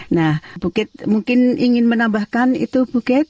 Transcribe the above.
nah bu gat mungkin ingin menambahkan itu bu gat